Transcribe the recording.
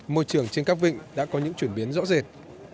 môi trường trên các vịnh đã có những chuyển biến rõ rệt